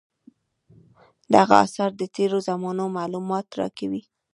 دغه اثار د تېرو زمانو معلومات راکوي.